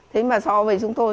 thế mà so với chúng tôi